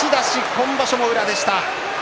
今場所も宇良でした。